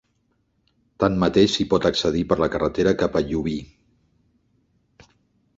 Tanmateix s'hi pot accedir per la carretera cap a Llubí.